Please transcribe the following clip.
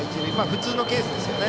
普通のケースですよね。